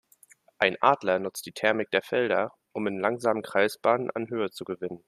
Ein Adler nutzt die Thermik der Felder, um in langsamen Kreisbahnen an Höhe zu gewinnen.